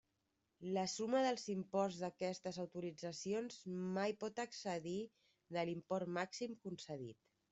La suma dels imports d'aquestes d'autoritzacions mai pot excedir de l'import màxim concedit.